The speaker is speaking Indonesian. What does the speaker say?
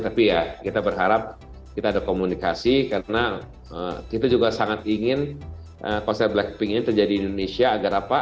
tapi ya kita berharap kita ada komunikasi karena kita juga sangat ingin konser blackpink ini terjadi di indonesia agar apa